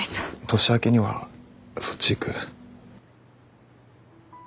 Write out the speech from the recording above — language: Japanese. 年明けにはそっち行く。